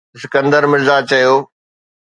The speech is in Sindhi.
اسڪندر مرزا چيو